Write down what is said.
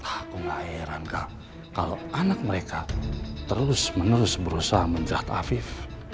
aku gak heran kak kalau anak mereka terus menerus berusaha menjerat afif